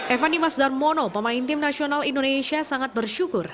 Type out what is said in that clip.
evan dimas darmono pemain tim nasional indonesia sangat bersyukur